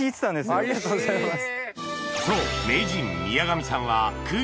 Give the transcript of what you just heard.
ありがとうございます！